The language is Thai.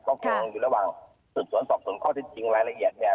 ก็คงอยู่ระหว่างสืบสวนสอบสวนข้อที่จริงรายละเอียดเนี่ย